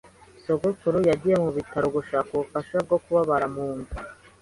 Sogokuru yagiye mu bitaro gushaka ubufasha bwo kubabara mu nda.